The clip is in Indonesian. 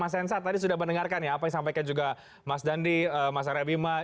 mas hensa tadi sudah mendengarkan ya apa yang disampaikan juga mas dandi mas rewi